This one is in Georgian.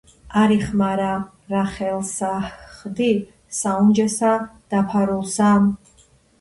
არ იხმარებ, რა ხელსა ჰხდი საუნჯესა დაფარულსა?